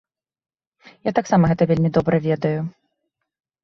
Я гэта таксама вельмі добра ведаю.